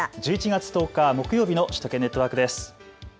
１１月１０日、木曜日の首都圏ネットワークです。